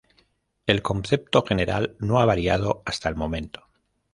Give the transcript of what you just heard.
El concepto general no ha variado hasta el momento.